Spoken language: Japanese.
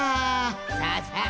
さあさあ